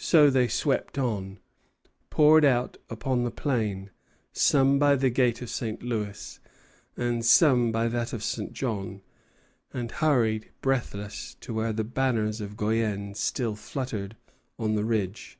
So they swept on, poured out upon the plain, some by the gate of St. Louis, and some by that of St. John, and hurried, breathless, to where the banners of Guienne still fluttered on the ridge.